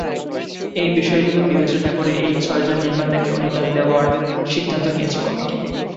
এ বিষয়গুলো বিবেচনা করে এই ছয়জন নির্মাতাকে অনুদান দেওয়ার সিদ্ধান্ত নিয়েছে কমিটি।